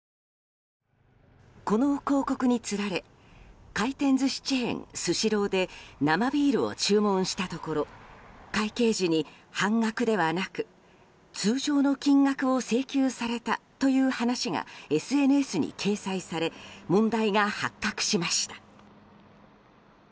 この広告につられ回転寿司チェーン、スシローで生ビールを注文したところ会計時に半額ではなく通常の金額を請求されたという話がＳＮＳに掲載され問題が発覚しました。